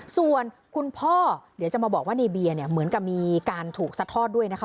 ส่วนคุณพ่อเดี๋ยวจะมาบอกว่าในเบียร์เนี่ยเหมือนกับมีการถูกซัดทอดด้วยนะคะ